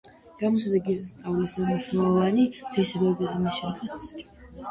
გამოსადეგი საწვავის მნიშვნელოვანი თვისებაა მისი შენახვისა და საჭირო დროს გამოყენების თვისება.